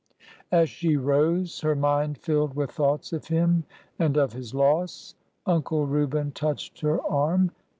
As she rose, her mind filled with thoughts of him and of his loss. Uncle Reuben touched her arm.